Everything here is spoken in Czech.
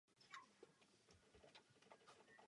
V polovině případů je pachatelem manžel nebo partner.